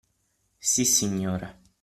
Sì, signore.